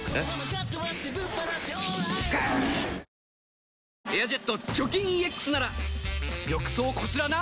川上さんって、「エアジェット除菌ＥＸ」なら浴槽こすらな。